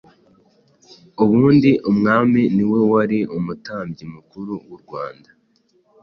ubundi umwami niwe wari umutambyi mukuru w'u Rwanda.